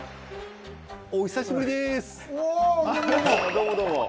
どうもどうも。